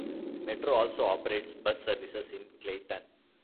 Metro also operates bus services in Clayton.